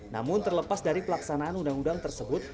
namun terlepas dari pelaksanaan undang undang tersebut